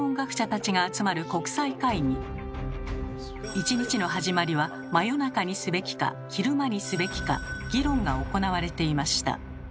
１日の始まりは真夜中にすべきか昼間にすべきか議論が行われていました。